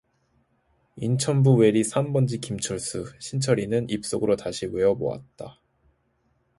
'인천부 외리 삼 번지 김철수’ 신철이는 입 속으로 다시 외어 보았다.